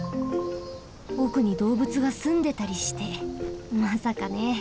おくにどうぶつがすんでたりしてまさかね。